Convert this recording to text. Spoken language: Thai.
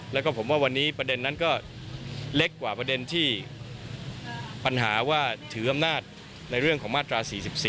แล้วก็ผมว่าวันนี้ประเด็นนั้นก็เล็กกว่าประเด็นที่ปัญหาว่าถืออำนาจในเรื่องของมาตรา๔๔